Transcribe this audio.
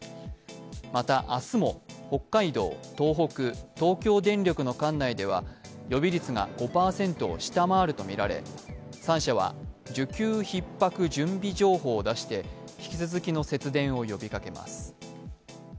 また明日も北海道、東北、東京電力の管内では予備率が５％を下回るとみられ、３社は需給ひっ迫準備情報を出して引き続きの節電を呼びかけます。